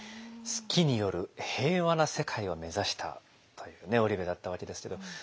数寄による平和な世界を目指したという織部だったわけですけど。